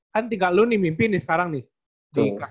kan tinggal lu nih mimpi nih sekarang nih